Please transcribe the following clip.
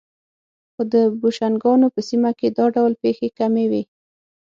خو د بوشنګانو په سیمه کې دا ډول پېښې کمې وې.